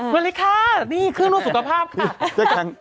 วันนี้คับคุณตรงที่คาด